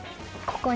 ここ？